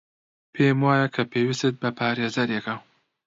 پێم وایە کە پێویستت بە پارێزەرێکە.